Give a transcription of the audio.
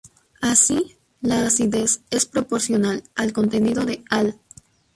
Así, la acidez es proporcional al contenido de Al.